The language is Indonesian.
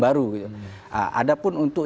baru ada pun untuk